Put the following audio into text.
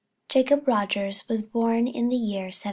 Jacob Rogers was born in the year 1766.